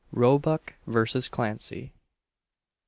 ROEBUCK versus CLANCEY. Mr.